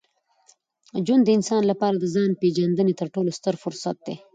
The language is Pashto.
ژوند د انسان لپاره د ځان پېژندني تر ټولو ستر فرصت دی.